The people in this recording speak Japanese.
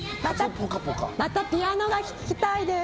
またピアノが聴きたいです！